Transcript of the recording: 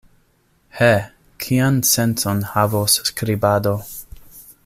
He, kian sencon havos skribado!